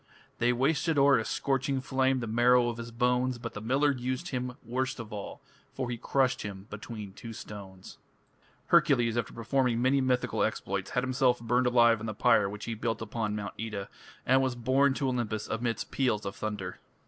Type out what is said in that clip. They wasted o'er a scorching flame The marrow of his bones, But the miller used him worst of all, For he crushed him between two stones. Hercules, after performing many mythical exploits, had himself burned alive on the pyre which he built upon Mount Oeta, and was borne to Olympus amidst peals of thunder.